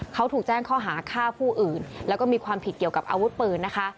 เขาถูกแจ้งข้อหาฆ่าผู้อื่นแล้วก็มีความผิดเกี่ยวกับอาวุธปืนนะคะ